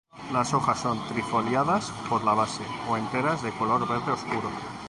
Las hojas son trifoliadas por la base o enteras de color verde oscuro.